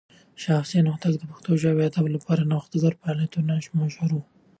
شاه حسين هوتک د پښتو ژبې او ادب لپاره د نوښتګران فعالیتونو مشر و.